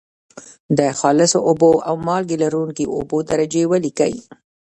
د خالصو اوبو او مالګې لرونکي اوبو درجې ولیکئ.